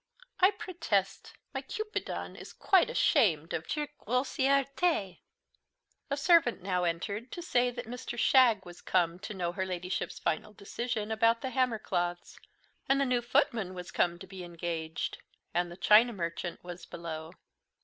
I protest my Cupidon is quite ashamed of your grossièreté! " A servant now entered to say Mr. Shagg was come to know her ladyship's final decision about the hammer cloths; and the new footman was come to be engaged; and the china merchant was below.